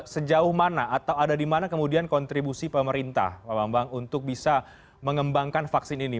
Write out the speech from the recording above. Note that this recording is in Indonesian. sejauh mana atau ada di mana kemudian kontribusi pemerintah pak bambang untuk bisa mengembangkan vaksin ini